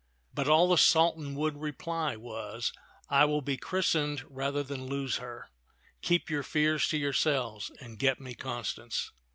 But all the Sultan would reply was, " I will be christened rather than lose her. Keep your fears to yourselves and get me Constance."